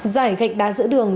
giải gạch đá giữa đường